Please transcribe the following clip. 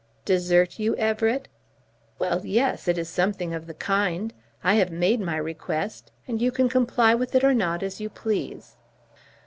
"Desert you, Everett?" "Well, yes; it is something of the kind. I have made my request, and you can comply with it or not as you please."